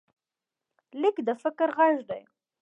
لیک د فکر غږ دی.